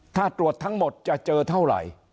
ถ้าตรวจทั้งหมดจะเจอเท่าไหร่